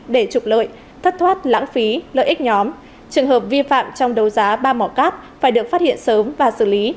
để trục lợi thất thoát lãng phí lợi ích nhóm trường hợp vi phạm trong đấu giá ba mỏ cát phải được phát hiện sớm và xử lý